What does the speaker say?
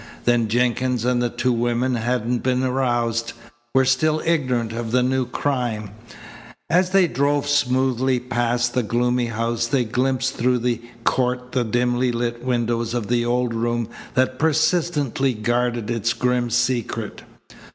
Then Jenkins and the two women hadn't been aroused, were still ignorant of the new crime. As they drove smoothly past the gloomy house they glimpsed through the court the dimly lit windows of the old room that persistently guarded its grim secret.